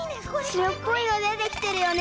しろっぽいのでてきてるよね。